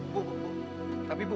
bu tapi bu